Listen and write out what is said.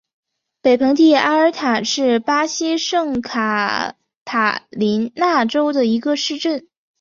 北蓬蒂阿尔塔是巴西圣卡塔琳娜州的一个市镇。